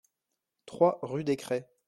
trois rue des Crais